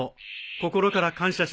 心から感謝します。